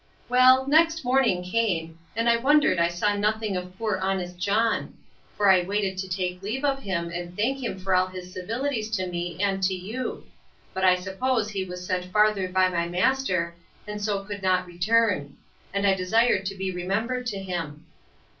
Well, next morning came, and I wondered I saw nothing of poor honest John; for I waited to take leave of him, and thank him for all his civilities to me and to you. But I suppose he was sent farther by my master, and so could not return; and I desired to be remembered to him.